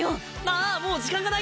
ああもう時間がないや。